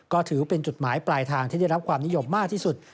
ก็ถือเป็นจุดหมายปลายทางที่ได้รับความนิยมมากที่สุด